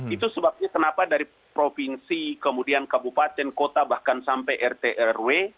itu sebabnya kenapa dari provinsi kemudian kabupaten kota bahkan sampai rt rw